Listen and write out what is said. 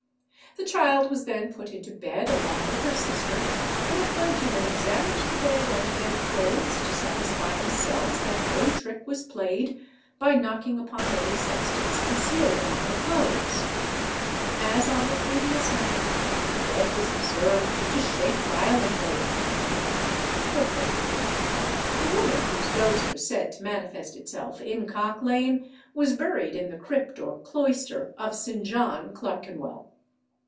The child was then put into bed along with her sister, and the clergymen examined the bed and bed clothes to satisfy themselves that no trick was played, by knocking upon any substance concealed among the clothes. As on the previous night, the bed was observed to shake violently. [Illustration: ROOM IN THE HAUNTED HOUSE IN COCK LANE.] The woman whose ghost was said to manifest itself in Cock Lane was buried in the crypt or cloister of St. John, Clerkenwell.